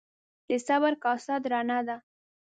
د صبر کاسه درنه ده.